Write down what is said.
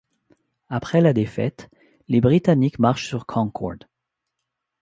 Après la défaite, les Britanniques marchent sur Concord.